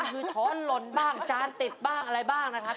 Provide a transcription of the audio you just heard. คือช้อนหล่นบ้างจานติดบ้างอะไรบ้างนะครับ